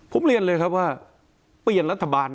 ผมเรียนเลยครับว่าเปลี่ยนรัฐบาล